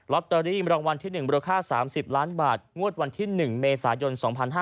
ตเตอรี่รางวัลที่๑มูลค่า๓๐ล้านบาทงวดวันที่๑เมษายน๒๕๕๙